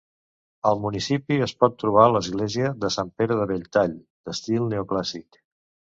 Al municipi es pot trobar l'església de Sant Pere de Belltall d'estil neoclàssic.